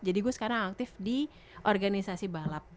jadi gue sekarang aktif di organisasi balap